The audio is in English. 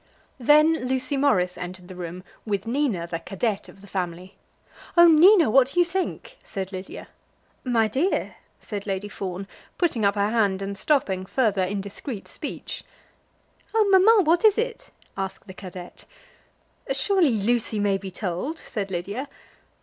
Then Lucy Morris entered the room with Nina, the cadette of the family. "Oh, Nina, what do you think?" said Lydia. "My dear!" said Lady Fawn, putting up her hand and stopping further indiscreet speech. "Oh, mamma, what is it?" asked the cadette. "Surely Lucy may be told," said Lydia.